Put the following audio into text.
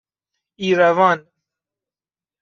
ایروان